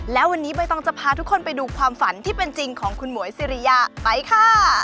และวันนี้ใบตองจะพาทุกคนไปดูความฝันที่เป็นจริงของคุณหมวยสิริยาไปค่ะ